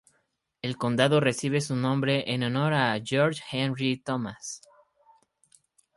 El condado recibe su nombre en honor a George Henry Thomas.